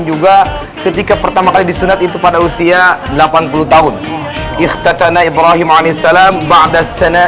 juga ketika pertama kali disunat itu pada usia delapan puluh tahun istana ibrahim alaihissalam ba'da sana